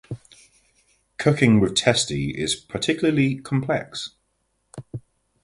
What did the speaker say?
Cooking with "testi" is particularly complex.